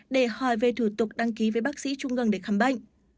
để hỏi về thủ tục đăng ký với bác sĩ trung ngân để khám bệnh